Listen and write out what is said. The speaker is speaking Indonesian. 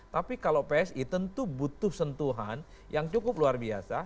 tapi kalau psi tentu butuh sentuhan yang cukup luar biasa